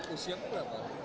usia ku berapa